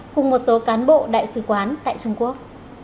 cùng một số cán bộ đại sứ quán tại trung quốc